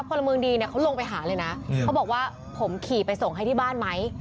พลเมืองดีเนี่ยเขาลงไปหาเลยนะเขาบอกว่าผมขี่ไปส่งให้ที่บ้านไหม